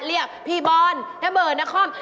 เรียกพี่บอลน้ำเบิร์นน้ำคอม